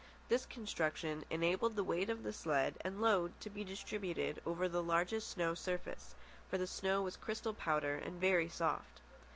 This construction enabled the weight of the sled and load to be distributed over the largest snow surface; for the snow was crystal powder and very soft.